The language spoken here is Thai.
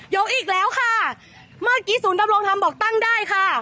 อีกแล้วค่ะเมื่อกี้ศูนย์ดำรงธรรมบอกตั้งได้ค่ะ